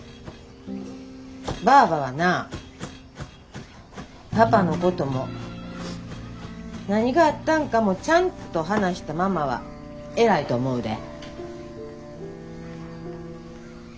ばあばなパパのことも何があったんかもちゃんと話したママは偉いと思うで。